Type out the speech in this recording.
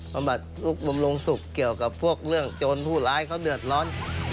บำบัดลูกบำรุงสุขเกี่ยวกับพวกเรื่องโจรผู้ร้ายเขาเดือดร้อน